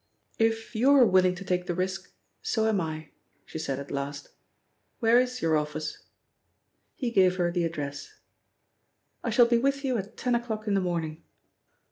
"If you're willing to take the risk, so am I," she said at last. "Where is your office?" He gave her the address. "I shall be with you at ten o'clock in the morning.